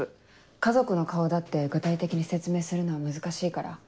家族の顔だって具体的に説明するのは難しいから。